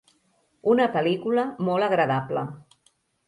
Una pel·lícula molt agradable.